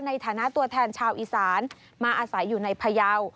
ในฐานะตัวแทนชาวอีสานมาอาศัยอยู่ในพยาว